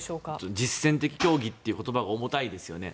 実戦的協議という言葉が重たいですよね。